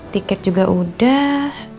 tiket juga udah